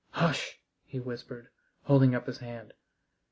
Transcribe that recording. "Hush!" he whispered, holding up his hand.